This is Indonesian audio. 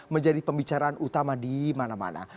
menjadi pembicaraan utama di mana mana